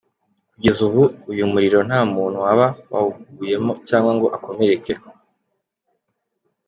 Kugeza ubu uyu muriro nta muntu waba wawuguyemo cyangwa ngo akomereke.